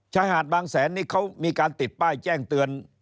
ชายหาดบางแสนนี่เขามีการติดป้ายแจ้งเตือน